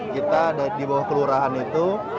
kita ada di bawah kelurahan itu